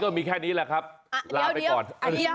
ก็อธิบายความหมดแล้วแหละ